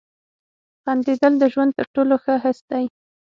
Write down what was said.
• خندېدل د ژوند تر ټولو ښه حس دی.